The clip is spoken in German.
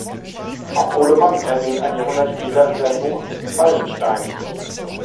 Auch Golo Mann erwähnt ein Jahrhundert später in seinem Buch: Wallenstein.